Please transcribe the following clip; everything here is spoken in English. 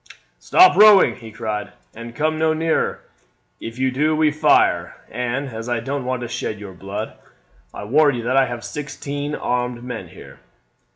"Stop rowing," he cried, "and come no nearer. If you do we fire, and as I don't want to shed your blood I warn you that I have sixteen armed men here."